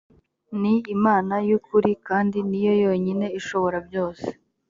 ni imana y ukuri kandi niyo yonyine ishobora byose